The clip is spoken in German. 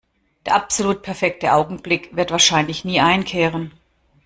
Der absolut perfekte Augenblick wird wahrscheinlich nie einkehren.